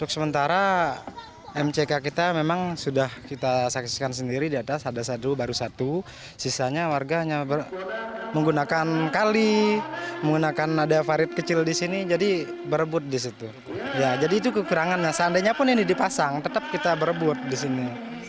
seandainya pun ini dipasang tetap kita berebut di sini